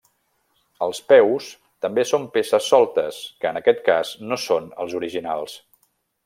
Els peus també són peces soltes, que en aquest cas, no són els originals.